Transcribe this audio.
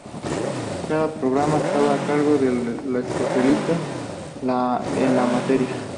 Cada programa estaba a cargo de un especialista en la materia.